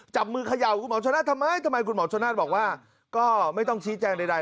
จับมือเขย่าคุณหมอชนะทำไมทำไมคุณหมอชนนั่นบอกว่าก็ไม่ต้องชี้แจงใด